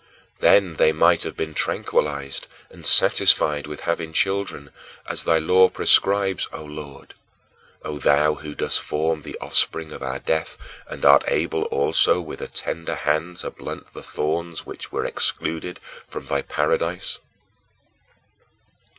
Then they might have been tranquilized and satisfied with having children, as thy law prescribes, O Lord O thou who dost form the offspring of our death and art able also with a tender hand to blunt the thorns which were excluded from thy paradise!